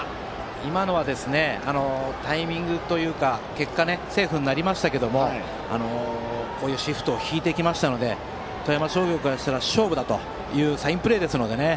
今のはタイミングというか結果、セーフになりましたがこういうシフトを敷いてきましたので富山商業からしたら、勝負だ！というサインプレーですのでね。